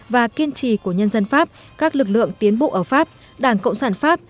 và kiên trì của nhân dân pháp các lực lượng tiến bộ ở pháp đảng cộng sản pháp